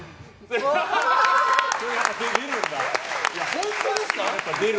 本当ですか？